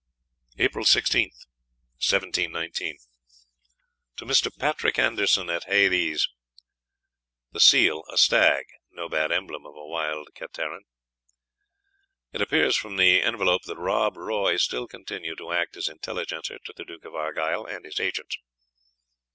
"Apryle 16_th,_ 1719. "To Mr. Patrick Anderson, at Hay These.' The seal, a stag no bad emblem of a wild cateran. It appears from the envelope that Rob Roy still continued to act as Intelligencer to the Duke of Argyle, and his agents.